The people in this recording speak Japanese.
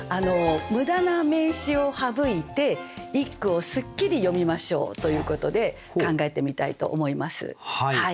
ムダな名詞を省いて一句をスッキリ詠みましょうということで考えてみたいと思います。